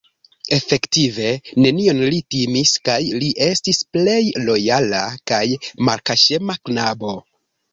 Efektive nenion li timis kaj li estis plej lojala kaj malkaŝema knabo.